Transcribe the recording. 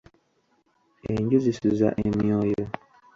Enju zisuza emyoyo.